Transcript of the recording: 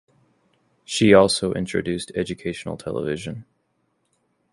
She also introduced educational television.